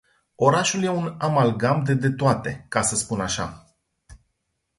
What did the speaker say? Orașul e un amalgam de detoate, ca să spun așa.